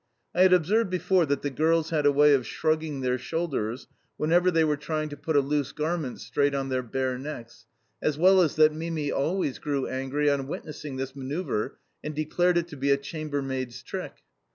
I had observed before that the girls had a way of shrugging their shoulders whenever they were trying to put a loose garment straight on their bare necks, as well as that Mimi always grew angry on witnessing this manoeuvre and declared it to be a chambermaid's trick.